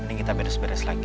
nanti kita beres beres lagi